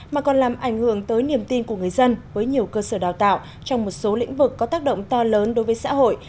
mà còn làm ảnh hưởng tới niềm tin của người dân với nhiều cơ sở đào tạo trong một số lĩnh vực có tác động to lớn đối với xã hội